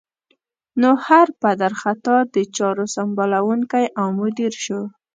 نو هر پدر خطا د چارو سمبالوونکی او مدیر شو.